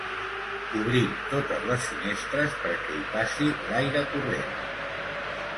Obrim totes les finestres perquè hi passi l'aire corrent.